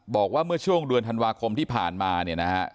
บอกว่าเมื่อช่วงเดือนธันวาคมที่ผ่านมาเนี่ยนะฮะ